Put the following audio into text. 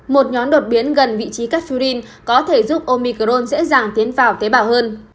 một nhóm đột biến gần vị trí cathfurin có thể giúp omicron dễ dàng tiến vào tế bào hơn